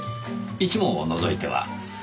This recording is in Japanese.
１問を除いては。